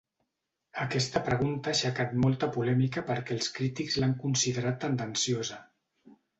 Aquesta pregunta ha aixecat molta polèmica perquè els crítics l’han considerat tendenciosa.